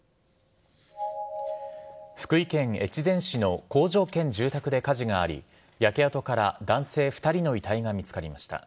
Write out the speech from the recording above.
福井県越前市の工場兼住宅で火事があり焼け跡から男性２人の遺体が見つかりました。